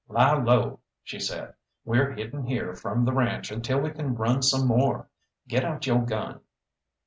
"Lie low," she said; "we're hidden here from the ranche until we can run some more. Get out yo' gun."